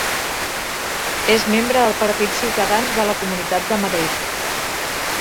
És membre del partit Ciutadans de la Comunitat de Madrid.